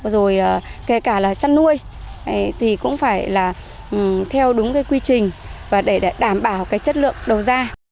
rồi kể cả là chăn nuôi thì cũng phải là theo đúng cái quy trình và để đảm bảo cái chất lượng đầu ra